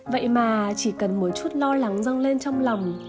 vậy mà chỉ cần một chút lo lắng dâng lên trong lòng